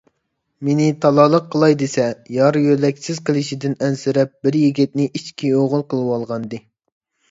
مېنى تالالىق قىلاي دېسە، يار - يۆلەكسىز قېلىشىدىن ئەنسىرەپ، بىر يىگىتنى ئىچ كۈيئوغۇل قىلىۋالغانىدى.